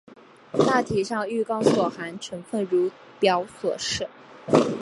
大体上玉钢所含成分如表所示。